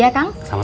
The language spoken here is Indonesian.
terima kasih ip